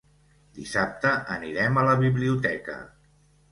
Dissabte anirem a la biblioteca.